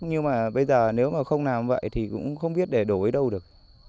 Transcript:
nhưng mà bây giờ nếu mà không làm vậy thì cũng không biết để đổi đâu được